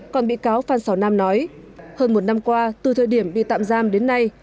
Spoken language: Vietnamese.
còn bị cáo phan xào nam nói hơn một năm qua từ thời điểm bị tạm giam đến nay